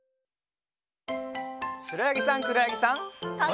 しろやぎさんくろやぎさん。